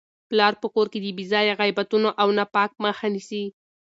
پلار په کور کي د بې ځایه غیبتونو او نفاق مخه نیسي.